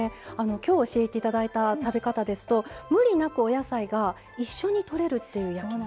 きょう教えて頂いた食べ方ですと無理なくお野菜が一緒にとれるっていう焼き肉。